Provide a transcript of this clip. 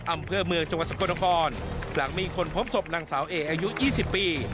อำเภอเมืองจังหวัดสกลนครหลังมีคนพบศพนางสาวเออายุ๒๐ปี